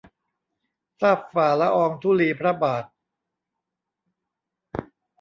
ทราบฝ่าละอองธุลีพระบาท